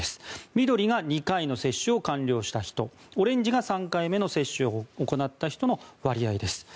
緑が２回の接種を完了した人オレンジが３回目の接種を行った人の割合です。